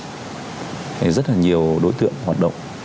thì rất là nhiều đối tượng hoạt động